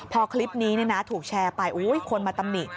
พอคลิปนี้ถูกแชร์ไปคนมาตำหนิ